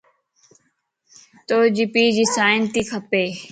توجي پيءَ جي سائن تي کپ